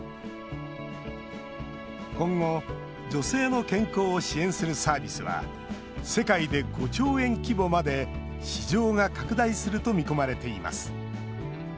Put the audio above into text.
今後、女性の健康を支援するサービスは世界で５兆円規模まで市場が拡大すると見込まれています。